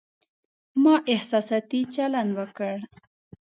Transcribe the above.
ما احساساتي چلند وکړ